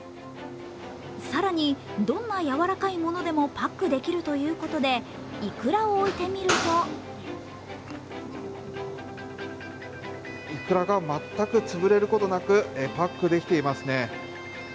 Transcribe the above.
更にどんなやわらかいものでもパックできるということでいくらを置いてみるといくらが全く潰れることなくパックできていますね。